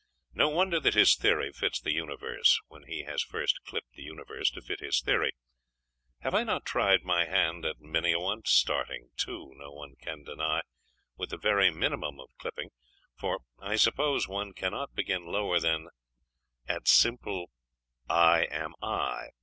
No wonder that his theory fits the universe, when he has first clipped the universe to fit his theory. Have I not tried my hand at many a one starting, too, no one can deny, with the very minimum of clipping,.... for I suppose one cannot begin lower than at simple "I am I"....